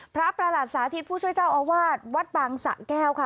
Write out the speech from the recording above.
ประหลัดสาธิตผู้ช่วยเจ้าอาวาสวัดบางสะแก้วค่ะ